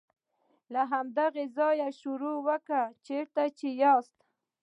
له هماغه ځایه یې شروع کړه چیرته چې یاست.